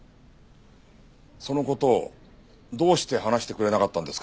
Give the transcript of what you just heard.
その事をどうして話してくれなかったんですか？